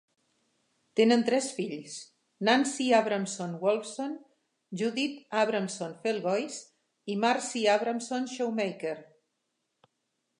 Tenen tres fills: Nancy Abramson Wolfson, Judith Abramson Felgoise i Marcy Abramson Shoemaker.